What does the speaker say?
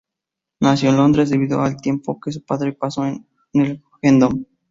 Nació en Londres debido a el tiempo que su padre pasó en el Hendon.